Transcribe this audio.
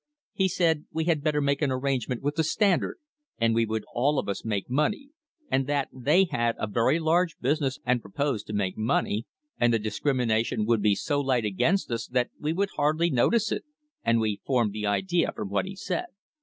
"He said we had better make an arrangement with the Standard and we would all of us make money, and that they had a very large business and proposed to make money, and the discrimination would be so light against us that we would hardly notice it, and we formed the idea from what he said.